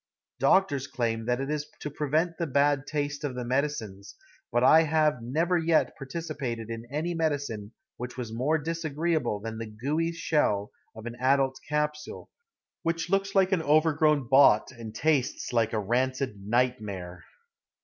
Doctors claim that it is to prevent the bad taste of the medicines, but I have never yet participated in any medicine which was more disagreeable than the gluey shell of an adult capsule, which looks like an overgrown bott and tastes like a rancid nightmare.